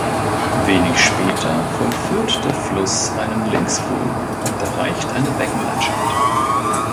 Wenig später vollführt der Fluss einen Linksbogen und erreicht eine Beckenlandschaft.